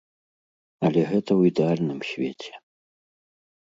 Але гэта ў ідэальным свеце.